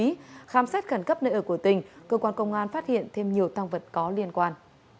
khi khám xét khẩn cấp nơi ở của tình cơ quan công an phát hiện thêm nhiều tăng vật có liên quan